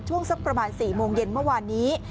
ช่วงสักประมาณ๔โมงเย็นเมื่อวานนี้